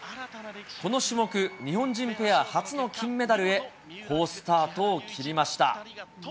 この種目、日本人ペア初の金メダルへ、好スタートを切りました。